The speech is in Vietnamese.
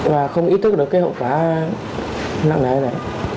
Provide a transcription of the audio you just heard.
và không ý thức được cái hậu phá nặng nẻ này